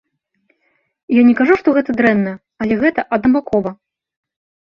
Я не кажу, што гэта дрэнна, але гэта аднабакова.